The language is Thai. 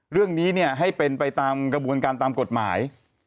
เรื่องนี้ให้เป็นไปตามกระบวนการตามกฎหมาย